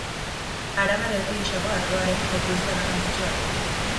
Arabar Errioxako ardoaren ekoizle garrantzitsua da.